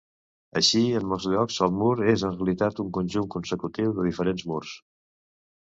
Així, en molts llocs el mur és en realitat un conjunt consecutiu de diferents murs.